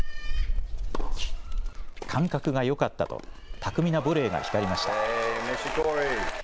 感覚がよかったと、巧みなボレーが光りました。